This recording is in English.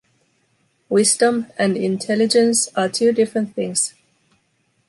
Wisdom and intelligence are two different things.